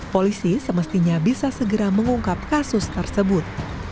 polisi semestinya bisa segera mengungkap kasus tersebut